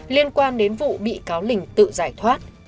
liên quan đến vụ bị cáo linh tự giải thoát